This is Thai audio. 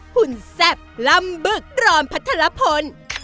หุ่นแซ่บลำบึกรอมพัฒนภนภ์